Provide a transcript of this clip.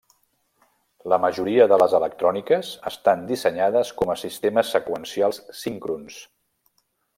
La majoria de les electròniques estan dissenyades com a sistemes seqüencials síncrons.